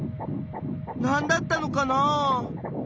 何だったのかなあ？